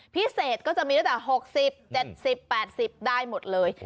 พิเศษก็จะมีตั้งแต่๖๐๗๐๘๐ได้หมดเลย